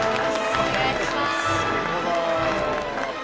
お願いします。